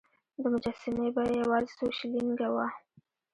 د مجسمې بیه یوازې څو شیلینګه وه.